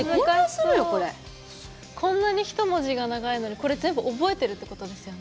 こんなに１文字が長いのにこれ全部覚えてるってことですよね。